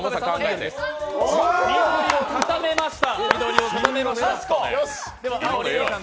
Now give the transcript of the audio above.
緑を固めました。